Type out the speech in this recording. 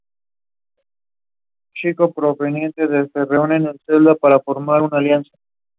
Cinco prisioneros se reúnen en su celda para formar una alianza.